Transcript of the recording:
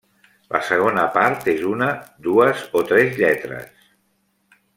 La segona part és una, dues o tres lletres.